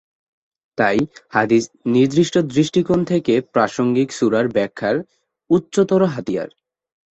তাই, হাদিস নির্দিষ্ট দৃষ্টিকোণ থেকে প্রাসঙ্গিক সূরার ব্যাখ্যার উচ্চতর হাতিয়ার।